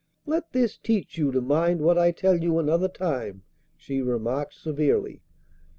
'Let this teach you to mind what I tell you another time,' she remarked severely.